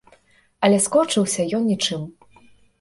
Але скончыўся ён нічым.